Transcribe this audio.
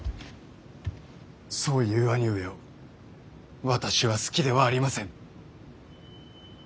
そういう兄上を私は好きではありません。